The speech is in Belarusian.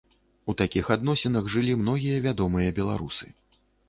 У такіх адносінах жылі многія вядомыя беларусы.